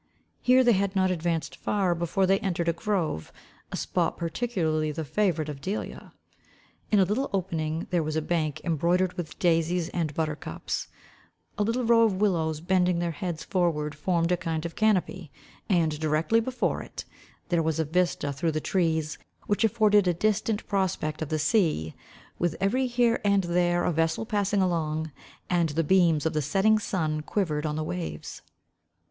Here they had not advanced far, before they entered a grove, a spot particularly the favourite of Delia. In a little opening there was a bank embroidered with daisies and butter cups; a little row of willows bending their heads forward, formed a kind of canopy; and directly before it, there was a vista through the trees, which afforded a distant prospect of the sea, with every here and there a vessel passing along, and the beams of the setting sun quivered on the waves.